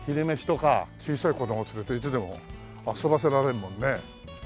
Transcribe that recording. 小さい子供を連れていつでも遊ばせられるもんね。